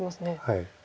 はい。